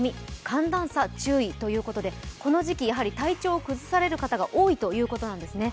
寒暖差注意ということでこの時期、体調を崩される方が多いということなんですね。